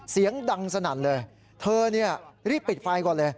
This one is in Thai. เสียงดังสนั่นเลยเธอเนี่ยรีบปิดไฟก่อนเลย